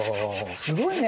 すごいね。